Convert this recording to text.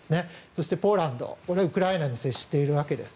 そしてポーランド、ウクライナに接しているわけです。